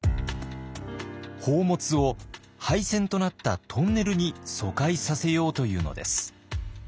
宝物を廃線となったトンネルに疎開させようというのです。